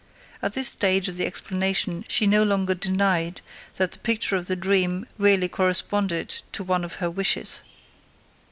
At this stage of the explanation she no longer denied that the picture of the dream really corresponded to one of her wishes.